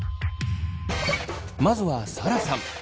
まずはサラさん。